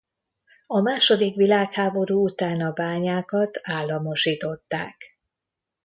A második világháború után a bányákat államosították.